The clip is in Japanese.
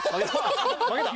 負けた。